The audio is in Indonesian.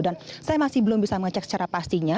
dan saya masih belum bisa mengecek secara pastinya